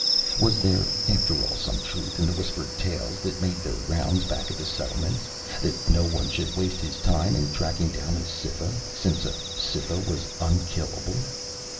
Was there, after all, some truth in the whispered tales that made the rounds back at the settlements that no one should waste his time in tracking down a Cytha, since a Cytha was unkillable?